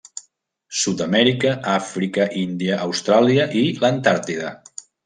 Sud Amèrica, Àfrica, Índia, Austràlia i l'Antàrtida.